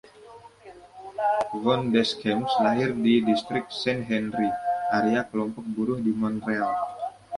Yvon Deschamps lahir di distrik Saint-Henri, area kelompok buruh di Montreal.